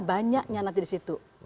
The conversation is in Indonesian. banyaknya nanti di situ